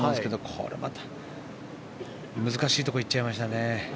これは難しいところ行っちゃいましたね。